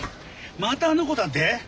またあの子だって？